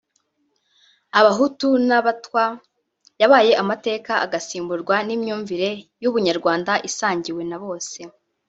Abahutu n’Abatwa yabaye amateka agasimburwa n’imyumvire y’ubunyarwanda isangiwe na bose